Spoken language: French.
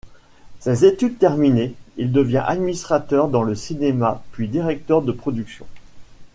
Ses études terminées, il devient administrateur dans le cinéma puis directeur de production.